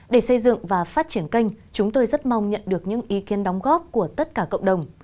để xây dựng và phát triển kênh chúng tôi rất mong nhận được những ý kiến đóng góp của tất cả cộng đồng